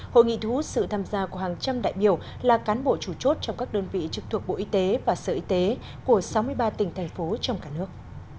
hội nghị thu hút sự tham gia của hàng trăm đại biểu là cán bộ chủ chốt trong các đơn vị trực thuộc bộ y tế và sở y tế của sáu mươi ba tỉnh thành phố trong cả nước